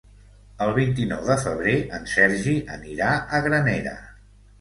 El vint-i-nou de febrer en Sergi anirà a Granera.